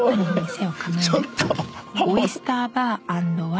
ちょっと。